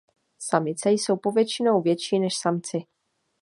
Samice jsou po většinou větší než samci.